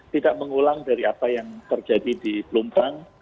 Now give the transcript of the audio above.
tidak mengulang dari apa yang terjadi di pelumpang